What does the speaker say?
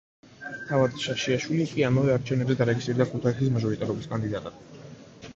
თავად შაშიაშვილი კი ამავე არჩევნებზე დარეგისტრირდა ქუთაისის მაჟორიტარობის კანდიდატად.